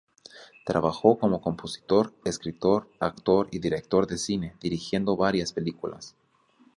Trabajó como compositor, escritor, actor y director de cine, dirigiendo varias películas.